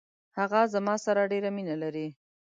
هغه زما سره ډیره مینه لري.